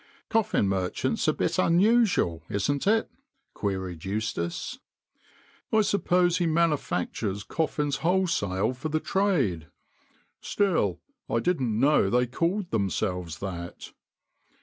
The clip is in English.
" Coffin merchant's a bit unusual, isn't it ?" queried Eustace. " I suppose he manufactures coffins whole sale for the trade. Still, I didn't know they called themselves that.